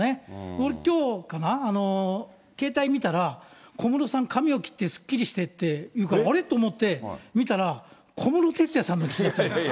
俺、きょうかな、携帯見たら、小室さん、髪を切ってすっきりしてっていうから、あれ？と思って見たら、小室哲哉さんだった。